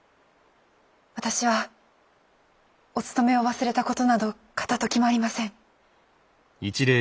私はおつとめを忘れた事など片ときもありません。